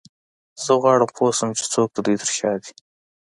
زه غواړم پوه شم چې څوک د دوی تر شا دی